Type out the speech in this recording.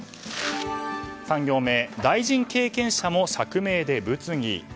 ３行目、大臣経験者も釈明で物議。